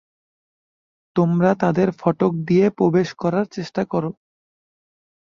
তোমরা তাদের ফটক দিয়ে প্রবেশ করার চেষ্টা কর।